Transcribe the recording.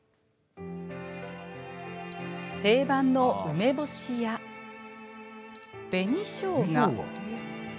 定番の梅干しや紅しょうが。